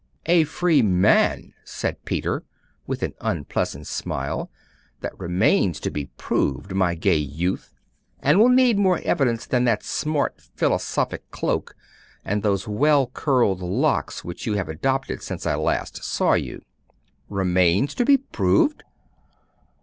'A free man!' said Peter, with an unpleasant smile; 'that remains to be proved, my gay youth; and will need more evidence than that smart philosophic cloak and those well curled locks which you have adopted since I saw you last.' 'Remains to be proved?